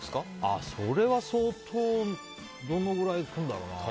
それは相当どのぐらいいくんだろうな。